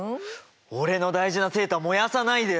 俺の大事なセーター燃やさないでよ！